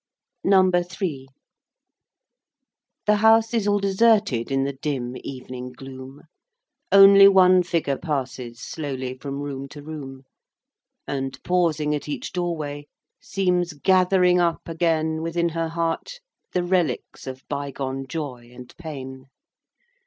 NUMBER THREE. I. The House is all deserted In the dim evening gloom, Only one figure passes Slowly from room to room; And, pausing at each doorway, Seems gathering up again Within her heart the relics Of bygone joy and pain.